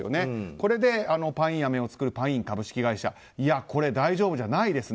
これでパインアメを作るパイン株式会社いや、大丈夫じゃないですね